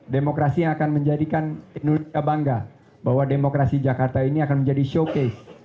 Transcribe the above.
demokrasi yang akan menjadikan indonesia bangga bahwa demokrasi jakarta ini akan menjadi showcase